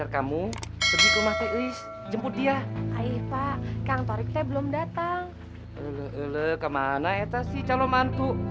kemana itu si calon mantu